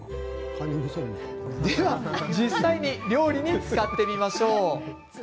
では実際に料理に使ってみましょう。